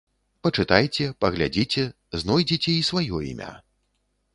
Пачытайце, паглядзіце, знойдзеце і сваё імя.